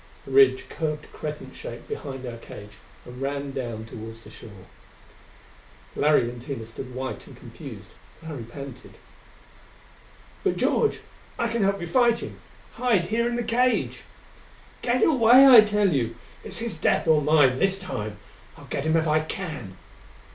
The ridge curved crescent shaped behind our cage and ran down toward the shore. Larry and Tina stood white and confused. Larry panted, "But, George. I can help you fight him! Hide here in the cage " "Get away, I tell you! It's his death or mine this time! I'll get him if I can!"